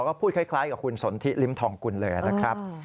ก็พูดคล้ายกับคุณสนทิลิ้มทองกุลเลยนะครับ